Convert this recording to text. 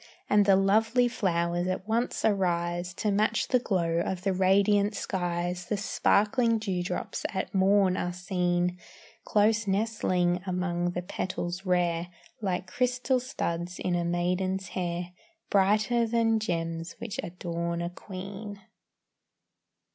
And the lovely flowers at once arise To match the glow of the radiant skies, The sparkling dewdrops at morn are seen, Close nestling among the petals rare, Like crystal studs in a maiden's hair, Brighter then gems which adorn a queen.